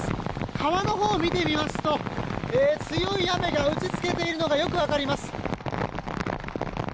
川のほうを見てみますと強い雨が打ち付けているのがよく分かります。